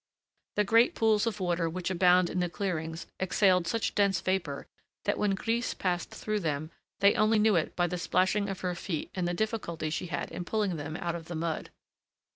The great pools of water which abound in the clearings exhaled such dense vapor that when Grise passed through them, they only knew it by the splashing of her feet and the difficulty she had in pulling them out of the mud.